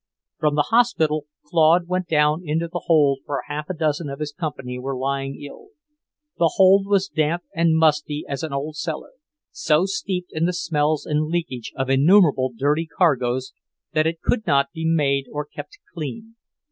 From the hospital Claude went down into the hold where half a dozen of his company were lying ill. The hold was damp and musty as an old cellar, so steeped in the smells and leakage of innumerable dirty cargoes that it could not be made or kept clean.